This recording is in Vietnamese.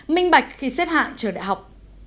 minh bạch khi xếp hạng trường đại học